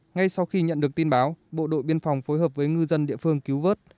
ngay sau khi nhận được tin báo bộ đội biên phòng phối hợp với ngư dân địa phương cứu vớt